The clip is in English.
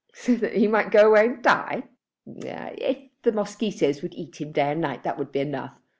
"So that he might go away and die?" "If the mosquitoes would eat him day and night, that would be enough.